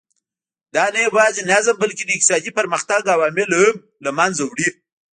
دا نه یوازې نظم بلکې د اقتصادي پرمختګ عوامل هم له منځه وړي.